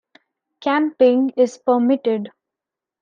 Camping is permitted.